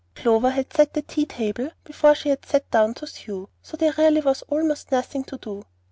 Clover had set the tea table before she sat down to sew, so there really was almost nothing to do.